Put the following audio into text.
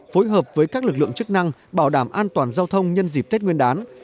phối hợp với các lực lượng chức năng bảo đảm an toàn giao thông nhân dịp tết nguyên đán